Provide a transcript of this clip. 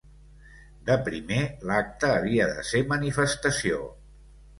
De primer, l’acte havia de ser manifestació.